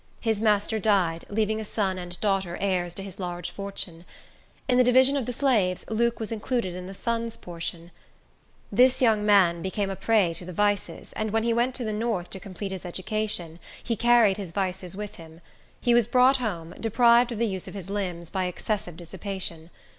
His master died, leaving a son and daughter heirs to his large fortune. In the division of the slaves, Luke was included in the son's portion. This young man became a prey to the vices he went to the north, to complete his education, he carried his vices with him. He was brought home, deprived of the use of his limbs, by excessive dissipation.